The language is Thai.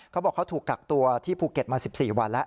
เขาบอกเขาถูกกักตัวที่ภูเก็ตมา๑๔วันแล้ว